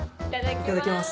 いただきます。